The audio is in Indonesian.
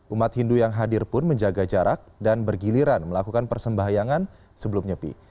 umat hindu yang hadir pun menjaga jarak dan bergiliran melakukan persembahyangan sebelum nyepi